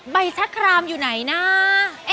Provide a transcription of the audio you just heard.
ใบชะครามอยู่ไหนนะ